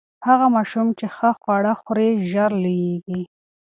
هغه ماشوم چې ښه خواړه خوري، ژر لوییږي.